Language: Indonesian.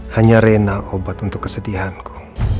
hanya rena obat untuk kesedihanku